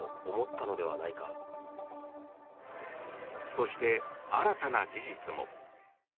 そして新たな事実も。